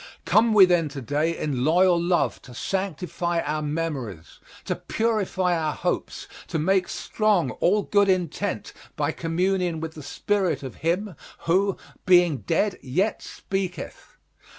Come we then to day in loyal love to sanctify our memories, to purify our hopes, to make strong all good intent by communion with the spirit of him who, being dead yet speaketh.